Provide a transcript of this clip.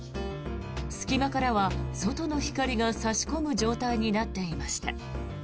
隙間からは外の光が差し込む状態になっていました。